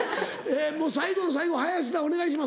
もう最後の最後林田お願いします。